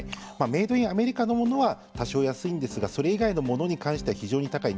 メイド・イン・アメリカのものは多少安いんですがそれ以外のものに関しては非常に高い。